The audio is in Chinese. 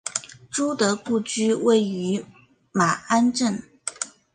朱德故居位于马鞍镇。